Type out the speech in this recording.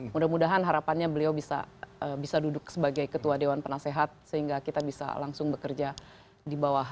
mudah mudahan harapannya beliau bisa duduk sebagai ketua dewan penasehat sehingga kita bisa langsung bekerja di bawah